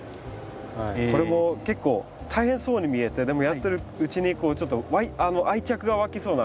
これも結構大変そうに見えてでもやってるうちにこうちょっと愛着がわきそうな感じがしますね。